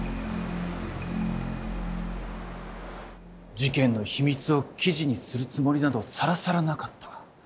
事件の秘密を記事にするつもりなどさらさらなかった。